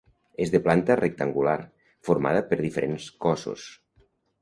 És de planta rectangular, formada per diferents cossos.